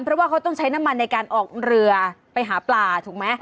เพราะว่าเขาต้องใช้น้ำมันในการออกเรือไปหาปลาถูกไหม